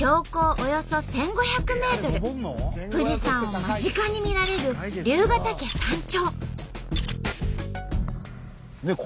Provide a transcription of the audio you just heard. およそ１，５００ｍ富士山を間近に見られる竜ヶ岳山頂。